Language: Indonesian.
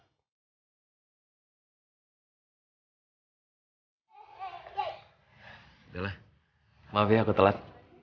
udah lah maaf ya aku telat